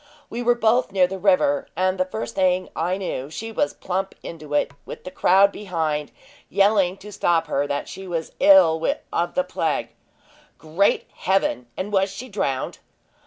We were both near the river, and the first thing I knew, she was plump into it, with the crowd behind, yelling to stop her, that she was ill of the plague." "Great Heaven! and was she drowned?"